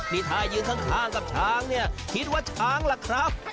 นี่ถ้ายืนข้างกับช้างเนี่ยคิดว่าช้างล่ะครับ